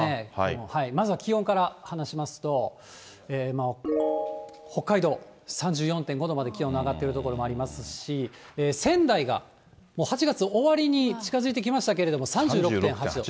まずは気温から話しますと、北海道３４．５度まで気温が上がっている所もありますし、仙台が８月終わりに近づいてきましたけど、３６．８度。